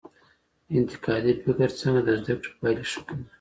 انتقادي فکر څنګه د زده کړي پایلي ښه کوي؟